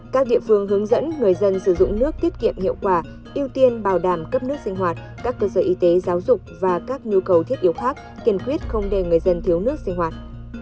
các địa phương hướng dẫn người dân sử dụng nước tiết kiệm hiệu quả ưu tiên bảo đảm cấp nước sinh hoạt các cơ sở y tế giáo dục và các nhu cầu thiết yếu khác kiên quyết không để người dân thiếu nước sinh hoạt